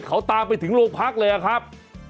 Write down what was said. เขาตามไปถึงโลกพรรคเลยครับ